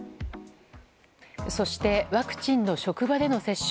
そしてワクチンの職場での接種。